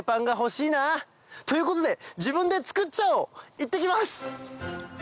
いってきます！